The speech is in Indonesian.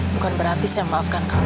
bukan berarti saya maafkan kamu